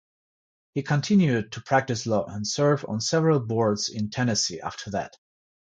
He continued to practice law and serve on several boards in Tennessee after that.